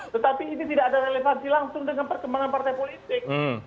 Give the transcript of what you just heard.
tetapi ini tidak ada relevansi langsung dengan perkembangan partai politik